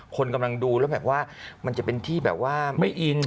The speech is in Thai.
คนกำลังดูแล้วแบบว่ามันจะเป็นที่แบบว่าไม่อิน